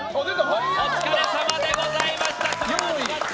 お疲れさまでございました。